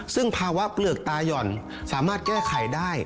ซึ่งภาวะเปลือกตาย่อนสามารถแก้ไขได้